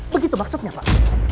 begitu maksudnya pak